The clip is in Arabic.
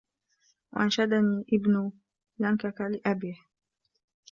وَأَنْشَدَنِي ابْنُ لَنْكَكَ لِأَبِيهِ